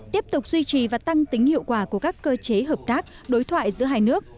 tiếp tục duy trì và tăng tính hiệu quả của các cơ chế hợp tác đối thoại giữa hai nước